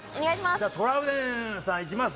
じゃあトラウデンさんいきます。